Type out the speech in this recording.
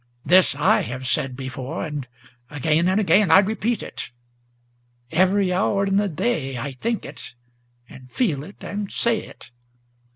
This I have said before, and again and again I repeat it; Every hour in the day, I think it, and feel it, and say it.